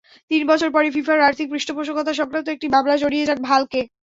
তিন বছর পরই ফিফার আর্থিক পৃষ্ঠপোষকতা-সংক্রান্ত একটা মামলায় জড়িয়ে যান ভালকে।